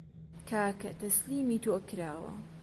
کاکە تەسلیمی تۆ کراوە